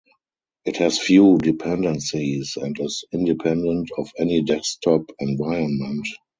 It has few dependencies and is independent of any desktop environment.